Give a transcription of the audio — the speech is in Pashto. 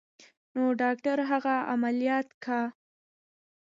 نو ډاکتر هغه عمليات کا.